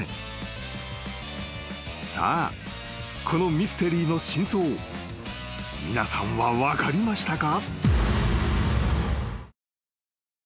［さあこのミステリーの真相皆さんは分かりましたか？］